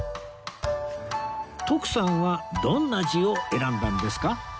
徳さんはどんな字を選んだんですか？